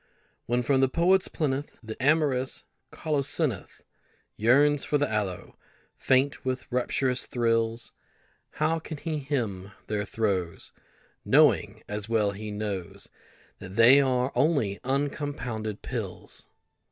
When from the poet's plinth The amorous colocynth Yearns for the aloe, faint with rapturous thrills, How can he hymn their throes Knowing, as well he knows, That they are only uncompounded pills?